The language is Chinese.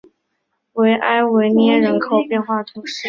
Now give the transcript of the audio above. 维埃维涅人口变化图示